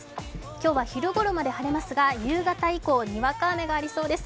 今日は昼ごろまで晴れますが夕方以降、にわか雨がありそうです。